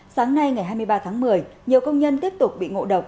sáng nay ngày hai mươi ba tháng một mươi nhiều công nhân tiếp tục bị ngộ độc